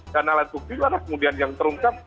dan alat bukti itu adalah kemudian yang terungkap